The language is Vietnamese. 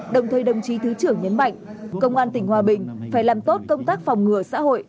đồng thời đồng chí thứ trưởng nhấn mạnh công an tỉnh hòa bình phải làm tốt công tác phòng ngừa xã hội